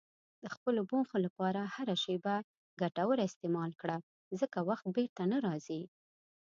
د خپلو موخو لپاره هره شېبه ګټوره استعمال کړه، ځکه وخت بیرته نه راګرځي.